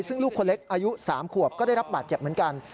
ซึ่งลูกคนเล็กอายุ๓ขวบก็ได้รับบาดเจ็บเหมือนกัน